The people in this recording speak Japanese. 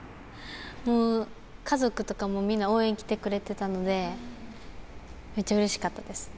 もう、家族とかもみんな応援来てくれてたので、めっちゃうれしかったです。